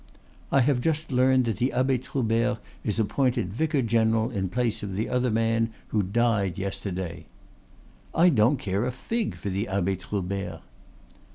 "I have just learned that the Abbe Troubert is appointed vicar general in place of the other man, who died yesterday." "I don't care a fig for the Abbe Troubert."